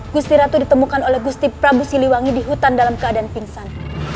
gusti ratu ditemukan oleh gusti prabu siliwangi di hutan dalam keadaan pingsan